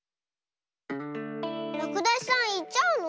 らくだしさんいっちゃうの？